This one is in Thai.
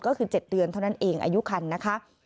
ก็คือ๗เดือนเท่านั้นเองอายุคันนะคะ